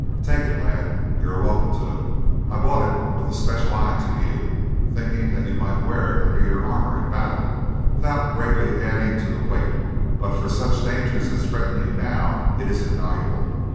Take it, lad. You are welcome to it. I bought it with a special eye to you, thinking that you might wear it under your armour in battle without greatly adding to the weight; but for such dangers as threaten you now it is invaluable.